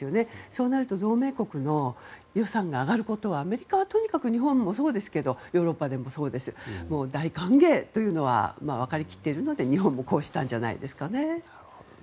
そうなると同盟国の予算が上がることはアメリカはとにかく日本でもヨーロッパでもそうですが大歓迎というのは分かりきっているので日本もこうしたんじゃないですかね。